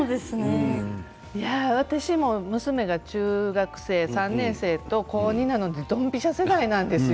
私も娘が中学生３年生と高２なのでどんぴしゃ世代なんですよ。